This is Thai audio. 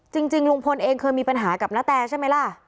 จริงลุงพลเองเคยมีปัญหากับณแตใช่ไหมล่ะ